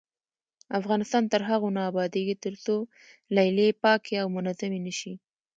افغانستان تر هغو نه ابادیږي، ترڅو لیلیې پاکې او منظمې نشي.